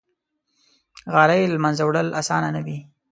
غالۍ له منځه وړل آسانه نه وي.